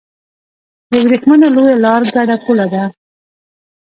د ورېښمو لویه لار ګډه پوله ده.